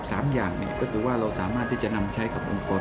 สามอย่างเนี่ยก็คือว่าเราสามารถที่จะนำใช้กับองค์กร